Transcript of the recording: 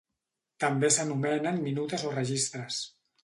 També s'anomenen minutes o registres.